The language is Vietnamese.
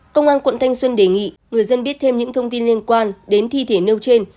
công an quận thanh xuân đề nghị người dân biết thêm những thông tin liên quan đến thi thể nêu trên